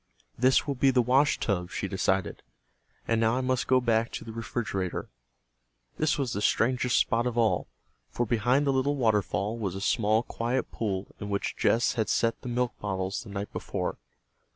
"This will be the washtub," she decided. "And now I must go back to the refrigerator." This was the strangest spot of all, for behind the little waterfall was a small quiet pool in which Jess had set the milk bottles the night before.